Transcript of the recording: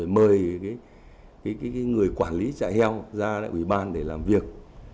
mời người quản lý trại heo ra đại biểu hội để làm việc